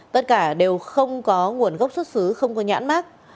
tất cả đều không có nguồn gốc xuất xứ không có nhãn mát